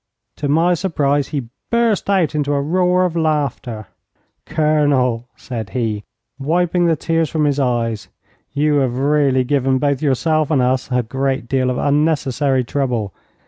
To my surprise he burst out into a roar of laughter. 'Colonel,' said he, wiping the tears from his eyes, 'you have really given both yourself and us a great deal of unnecessary trouble.